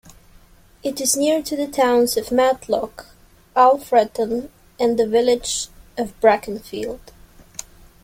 It is near to the towns of Matlock, Alfreton and the village of Brackenfield.